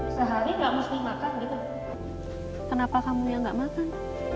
sehari nggak mesti makan gitu kenapa kamu yang nggak makan